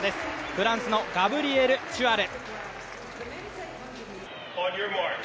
フランスのガブリエル・チュアル。